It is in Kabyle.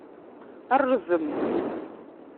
Rrzem